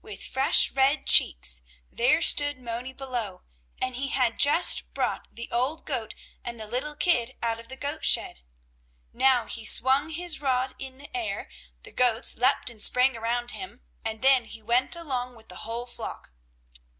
With fresh, red cheeks there stood Moni below, and he had just brought the old goat and the little kid out of the goat shed. Now he swung his rod in the air, the goats leaped and sprang around him, and then he went along with the whole flock.